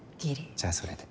じゃあそれで。